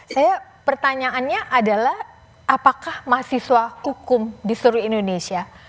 saya pertanyaannya adalah apakah mahasiswa hukum di seluruh indonesia